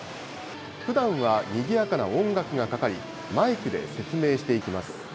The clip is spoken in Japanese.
ふだんはにぎやかな音楽がかかり、マイクで説明していきます。